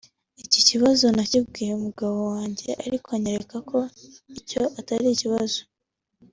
Ikibazo nakibwiye umugabo wanjye ariko anyereka ko icyo atari ikibazo